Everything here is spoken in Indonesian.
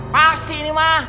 pasti ini mah